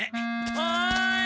おい！